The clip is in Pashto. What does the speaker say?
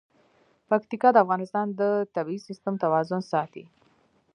پکتیکا د افغانستان د طبعي سیسټم توازن ساتي.